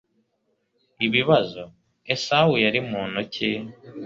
ibibazo esawu yari muntu ki